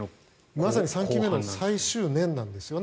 まさに３期目の最終年なんですね。